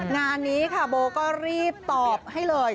งานนี้ค่ะโบก็รีบตอบให้เลย